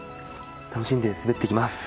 楽しんで滑ってきます。